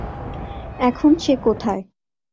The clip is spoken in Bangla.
এখন সে কোথায়!